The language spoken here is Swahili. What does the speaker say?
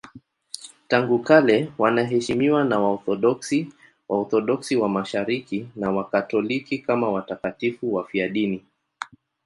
Tangu kale wanaheshimiwa na Waorthodoksi, Waorthodoksi wa Mashariki na Wakatoliki kama watakatifu wafiadini.